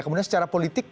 kemudian secara politik